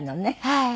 はい。